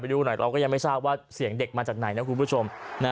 ดูหน่อยเราก็ยังไม่ทราบว่าเสียงเด็กมาจากไหนนะคุณผู้ชม